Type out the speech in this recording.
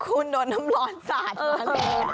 คุณโดนน้ำร้อนสาดมาเลย